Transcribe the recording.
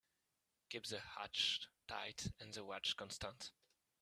Keep the hatch tight and the watch constant.